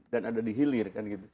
dan ada di hilir